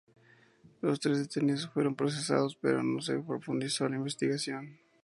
Los tres detenidos fueron procesados, pero no se profundizó en la investigación.